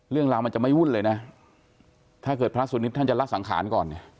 เรื่องราวมันจะไม่วุ่นเลยนะถ้าเกิดพระสุนิทท่านจะละสังขารก่อนเนี่ย